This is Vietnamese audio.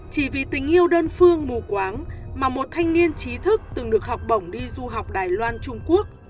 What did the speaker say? chỉ vì tình yêu đơn phương mù quáng mà một thanh niên trí thức từng được học bổng đi du học đài loan trung quốc